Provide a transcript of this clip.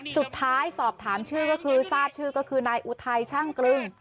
สอบถามชื่อก็คือทราบชื่อก็คือนายอุทัยช่างกรึง